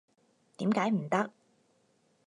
點解唔得？